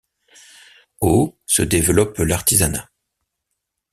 Au se développe l'artisanat.